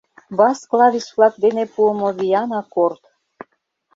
Бас клавиш-влак дене пуымо виян аккорд.